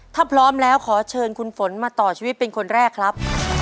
ถ้าพร้อมแล้วขอเชิญคุณฝนมาต่อชีวิตเป็นคนแรกครับ